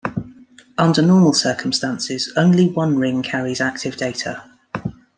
Under normal circumstances, only one ring carries active data.